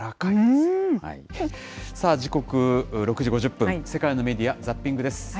時刻６時５０分、世界のメディア・ザッピングです。